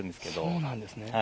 そうなんですね。